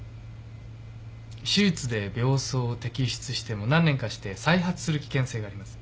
手術で病巣を摘出しても何年かして再発する危険性があります。